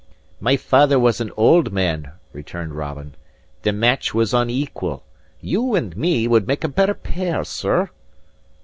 "My father was an old man," returned Robin. "The match was unequal. You and me would make a better pair, sir."